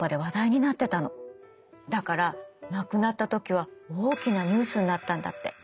だから亡くなった時は大きなニュースになったんだって。